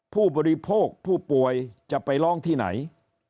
ผู้บริโภคผู้ป่วยจะไปร้องที่ไหน